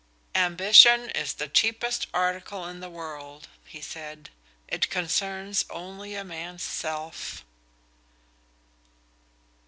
"Ambition is the cheapest article in the world," he said. "It concerns only a man's self."